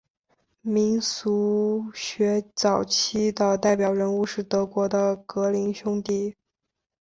民俗学早期的代表人物是德国的格林兄弟。